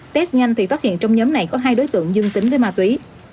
test nhanh thì phát hiện trong nhóm này có hai đối tượng dương tính với ma túy